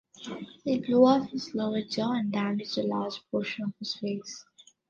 It blew off his lower jaw and damaged a large portion of his face.